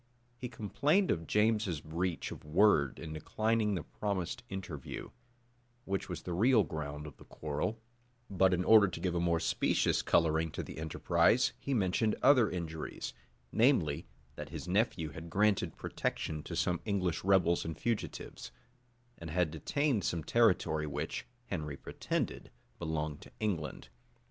He complained of James's breach of word in declining the promised interview, which was the real ground of the quarrel;[*] but in order to give a more specious coloring to the enterprise, he mentioned other injuries; namely, that his nephew had granted protection to some English rebels and fugitives, and had detained some territory which, Henry pretended, belonged to England.